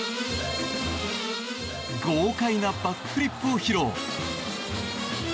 豪快なバックフリップを披露。